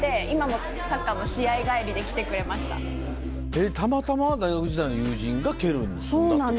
えったまたま大学時代の友人がケルンに住んだってこと？